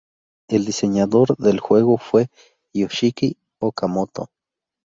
El diseñador del juego fue Yoshiki Okamoto.